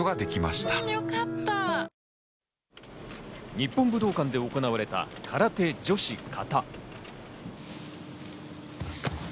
日本武道館で行われた空手女子・形。